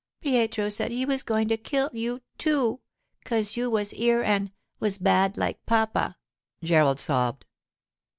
'Pietro said he was going to kill you, too, 'cause you was here an' was bad like papa,' Gerald sobbed.